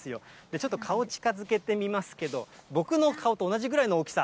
ちょっと顔近づけてみますけれども、僕の顔と同じぐらいの大きさ。